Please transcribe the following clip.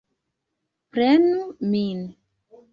Prenu min!